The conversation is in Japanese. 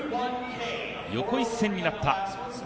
横一線になった。